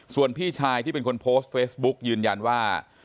ส่วนพี่ชายที่เป็นคนโพสต์เฟซบุ๊กยืนยันว่า